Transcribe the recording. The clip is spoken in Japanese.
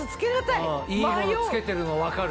いいもの着けてるの分かる。